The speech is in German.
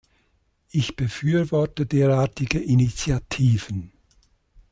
Ich befürworte derartige Initiativen.